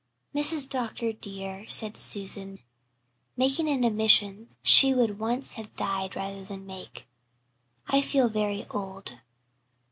"Mrs. Dr. dear," said Susan, making an admission she would once have died rather than make, "I feel very old.